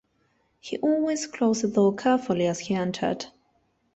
He always closed the door carefully as he entered.